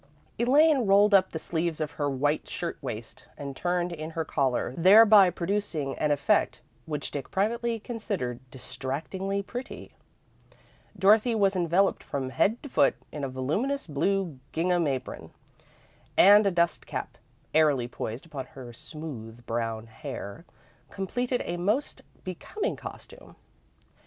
Elaine rolled up the sleeves of her white shirt waist, and turned in her collar, thereby producing an effect which Dick privately considered distractingly pretty. Dorothy was enveloped from head to foot in a voluminous blue gingham apron, and a dust cap, airily poised upon her smooth brown hair, completed a most becoming costume.